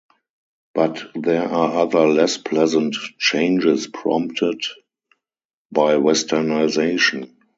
But there are other less pleasant changes prompted by westernization.